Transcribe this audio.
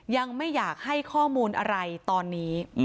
ยังไม่อยากให้ข้อมูลอะไรตอนนี้